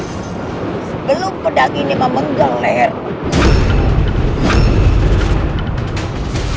sebelum pedang ini memenggel lehermu